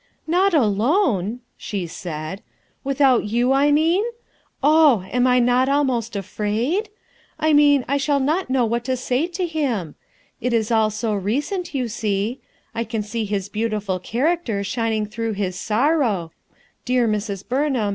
"Not alone!" she said. "Without you, I mean ? Oh ! Am I not almost afraid ? I mean, I shall not know what to say to him. It is all so recent, you see. I can see Us beautiful character shining through hi; sorrow; dear Mrs, Buxnham.